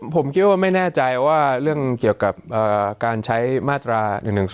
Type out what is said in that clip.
ผมคิดว่าไม่แน่ใจว่าเรื่องเกี่ยวกับการใช้มาตรา๑๑๒